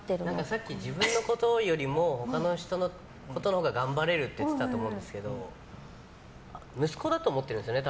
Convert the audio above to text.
さっき自分のことよりも他の人のことのほうが頑張れるって言ってたと思うんですけど息子だと思ってるんですよね。